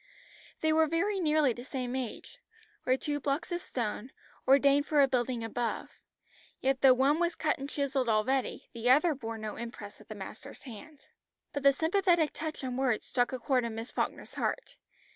They were very nearly the same age, were two blocks of stone, ordained for a building above; yet though one was cut and chiselled already, the other bore no impress of the Master's hand. But the sympathetic touch and words struck a chord in Miss Falkner's heart.